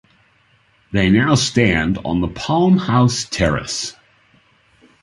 They now stand on the Palm House Terrace.